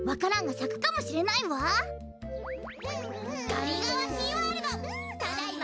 ガリがわシーワールドただいま